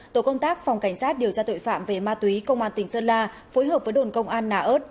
tổ công tác phòng cảnh sát điều tra tội phạm về ma túy công an tỉnh sơn la phối hợp với đồn công an nà ớt